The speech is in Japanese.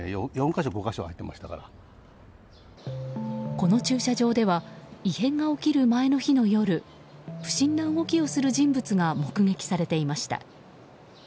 この駐車場では異変が起きる前の日の夜不審な動きをする人物が目撃されていました。